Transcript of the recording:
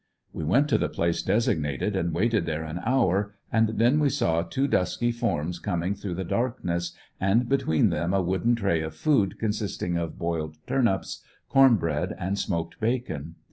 We went to the place designated and waited there an hour, and then we saw two dusky forms coming through the darkness, and between them a wooden tray of food consisting of boiled turnips, corn bread and smoked bacon.